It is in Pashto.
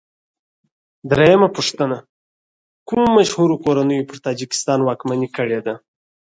درېمه پوښتنه: کومو مشهورو کورنیو پر تاجکستان واکمني کړې ده؟